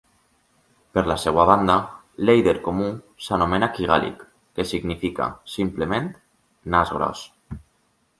Per la seva banda, l'èider comú s'anomena "kingalik" que significa, simplement, "nas gros".